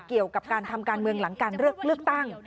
เกี่ยวกับการทำการเมืองหลังการเลือกตั้ง